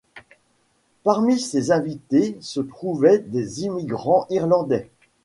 Parmi ses invités se trouvaient des immigrants irlandais.